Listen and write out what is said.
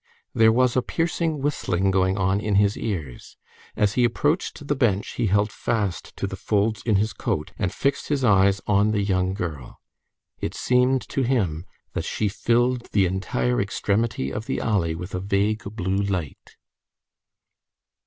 There was a piercing whistling going on in his ears. As he approached the bench, he held fast to the folds in his coat, and fixed his eyes on the young girl. It seemed to him that she filled the entire extremity of the alley with a vague blue light.